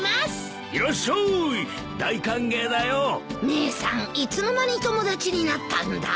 姉さんいつの間に友達になったんだ？